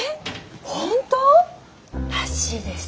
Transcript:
本当？らしいです。